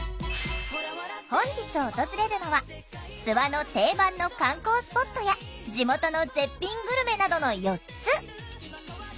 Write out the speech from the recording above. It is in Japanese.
本日訪れるのは諏訪の定番の観光スポットや地元の絶品グルメなどの４つ。